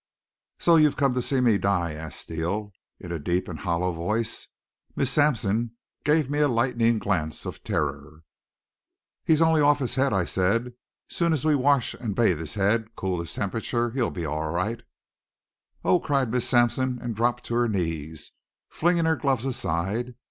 "So you've come to see me die?" asked Steele in a deep and hollow voice. Miss Sampson gave me a lightning glance of terror. "He's only off his head," I said. "Soon as we wash and bathe his head, cool his temperature, he'll be all right." "Oh!" cried Miss Sampson, and dropped to her knees, flinging her gloves aside.